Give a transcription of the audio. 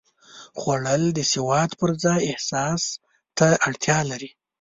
خوړل د سواد پر ځای احساس ته اړتیا لري